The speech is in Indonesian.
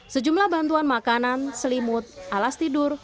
sejumlah bantuan makanan selimut alas tidur